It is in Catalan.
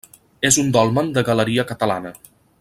És un dolmen de galeria catalana.